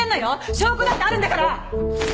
証拠だってあるんだから！